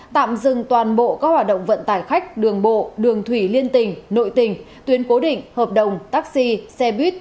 tạm dừng toàn bộ các hoạt động vận tải khách đường bộ đường thủy liên tình nội tỉnh tuyến cố định hợp đồng taxi xe buýt